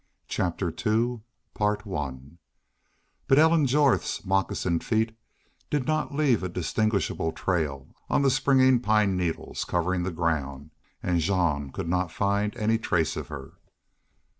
CHAPTER II But Ellen Jorth's moccasined feet did not leave a distinguishable trail on the springy pine needle covering of the ground, and Jean could not find any trace of her.